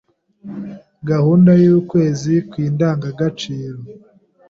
gahunda y’ukwezi kw’indangagaciro.